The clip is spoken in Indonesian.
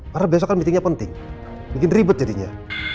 karena besok kan meetingnya penting bikin ribet jadinya